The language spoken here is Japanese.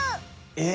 え！